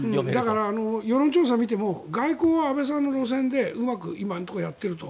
だから世論調査を見ても外交は安倍さんの路線でうまく今のところやっていると。